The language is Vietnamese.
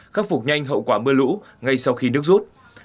khắc phục nhanh hậu quả mưa lũ ngay sau khi nước rút